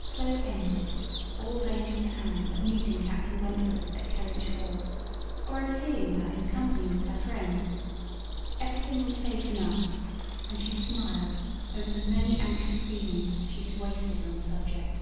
So ended all danger to Anne of meeting Captain Wentworth at Kellynch Hall, or of seeing him in company with her friend. Everything was safe enough, and she smiled over the many anxious feelings she had wasted on the subject.